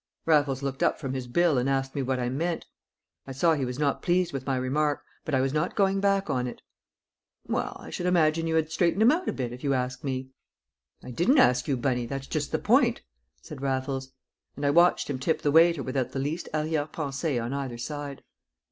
Raffles looked up from his bill and asked me what I meant. I saw he was not pleased with my remark, but I was not going back on it. "Well, I should imagine you had straightened him out a bit, if you ask me." "I didn't ask you, Bunny, that's just the point!" said Raffles. And I watched him tip the waiter without the least arrière pensée on either side.